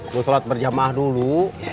mau sholat berjamah dulu